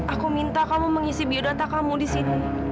aku minta kamu mengisi biodata kamu di sini